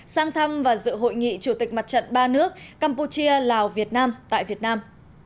sang thăm và dự hội nghị chủ tịch mặt trận ba nước campuchia lào việt nam tại việt nam